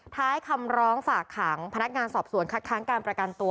ท้ายคำร้องฝากขังพนักงานสอบสวนคัดค้างการประกันตัว